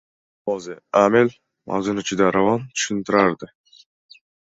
Mos`e Amel mavzuni juda ravon tushuntirardi